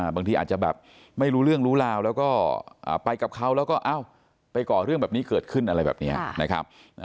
บางทีอาจจะแบบไม่รู้เรื่องรู้ราวแล้วก็ไปกับเขาแล้วก็ไปก่อเรื่องแบบนี้เกิดขึ้นอะไรแบบนี้นะครับ